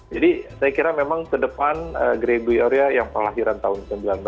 jadi saya kira memang kedepan gregoria yang kelahiran tahun seribu sembilan ratus sembilan puluh sembilan